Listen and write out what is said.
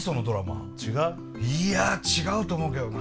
いや違うと思うけどな。